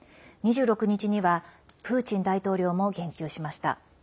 ２６日にはプーチン大統領も言及しました。